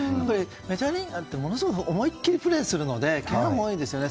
メジャーリーガーってものすごい思いきりプレーするのでけがも多いんですよね。